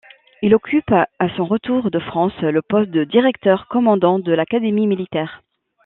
Il occupe, à son retour de France, le poste de directeur-commandant de l’académie militaire.